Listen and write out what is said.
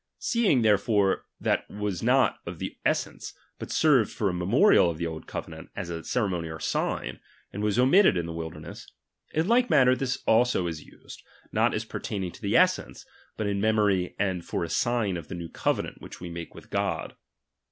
Seeing therefore that was not of the essence, but served for a memorial of the old cove nant, as a ceremony or sign, (and was omitted in the wilderness) ; iu like manner this also is used, not as pertaining to the essence, but in memory and for a sign of the new covenant which we make with God.